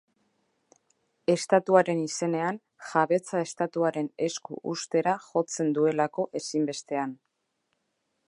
Estatuaren izenean; jabetza Estatuaren esku uztera jotzen duelako ezinbestean.